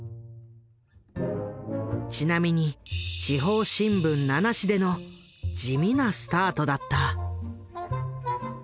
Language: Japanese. ちなみに地方新聞７紙での地味なスタートだった。